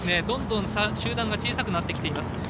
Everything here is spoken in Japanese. どんどん集団が小さくなっています。